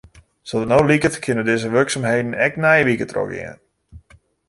Sa't it no liket kinne dizze wurksumheden ek nije wike trochgean.